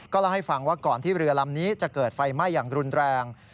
เล่าให้ฟังว่าก่อนที่เรือลำนี้จะเกิดไฟไหม้อย่างรุนแรง